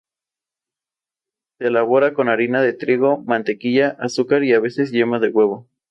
Se elabora con harina de trigo, mantequilla, azúcar y a veces yema de huevo.